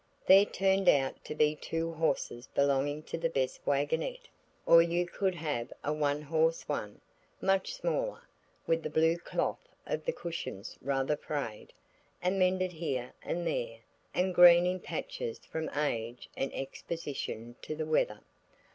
There turned out to be two horses belonging to the best waggonette, or you could have a one horse one, much smaller, with the blue cloth of the cushions rather frayed, and mended here and there, and green in patches from age and exposition to the weather.